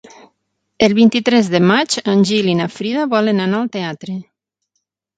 El vint-i-tres de maig en Gil i na Frida volen anar al teatre.